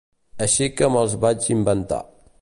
Així que me'ls vaig inventar.